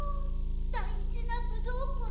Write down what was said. だいじなぶどうコロ。